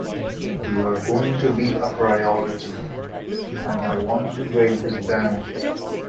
You're going to be a priority, and I want to break this band.